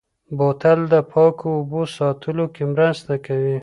بوتل د پاکو اوبو ساتلو کې مرسته کوي.